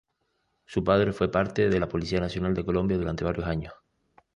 Su padre fue parte de la Polícia Nacional de Colombia durante varios años.